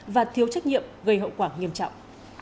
và thiếu trách nhiệm gây hậu quả nghiêm trọng